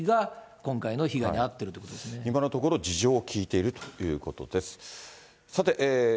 今のところ、事情を聴いているということです。